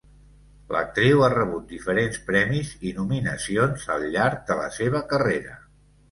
L'actriu ha rebut diferents premis i nominacions al llarg de la seva carrera.